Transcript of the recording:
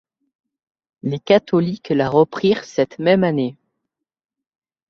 Les catholiques la reprirent cette même année.